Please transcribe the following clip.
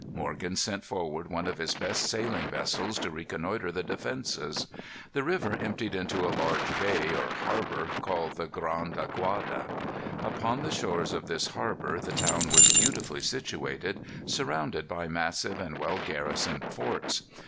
Morgan sent forward one of his best sailing vessels to reconnoitre the defences. The river emptied into a large bay or harbor called the Grande Aguada. Upon the shores of this harbor the town was beautifully situated, surrounded by massive and well garrisoned forts.